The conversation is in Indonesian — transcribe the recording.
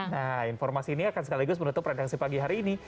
nah informasi ini akan sekaligus menutup redaksi pagi hari ini